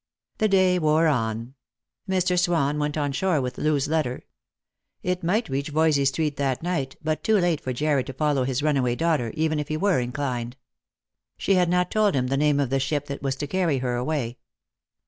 The day wore on. Mr. Swan went on shore with Loo's letter. It might reach Voysey street that night, but too late for Jarred to follow his runaway daughter, even if he were inclined. She had not told him the name of the ship that was to carry her away.